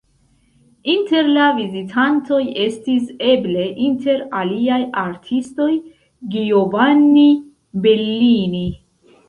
Inter la vizitantoj estis eble, inter aliaj artistoj, Giovanni Bellini.